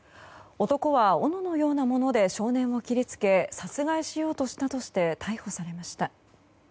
男は、おののようなもので少年を切りつけ殺害しようとしたとして逮捕されました。